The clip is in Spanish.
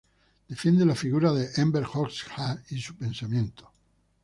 Defiende la figura de Enver Hoxha y su pensamiento.